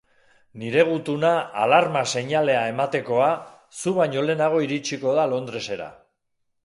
Nire gutuna, alarma seinalea ematekoa, zu baino lehenago iritsiko da Londresera.